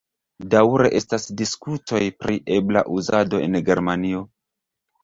Daŭre estas diskutoj pri ebla uzado en Germanio.